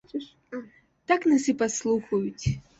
Так нас і паслухаюць.